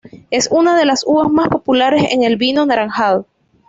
Es una de las uvas más populares en el vino anaranjado.